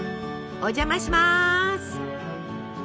お邪魔します。